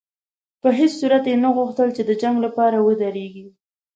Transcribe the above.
په هېڅ صورت یې نه غوښتل چې د جنګ لپاره ودرېږي.